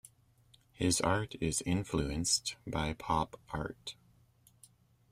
His art is influenced by Pop Art.